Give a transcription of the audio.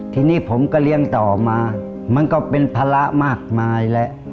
ทีนี้ผมก็เลี้ยงต่อมามันก็เป็นภาระมากมายแล้ว